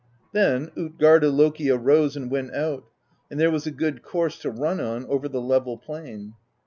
Then tJtgarda Loki arose and went out; and there was a good course to run on over the level plain.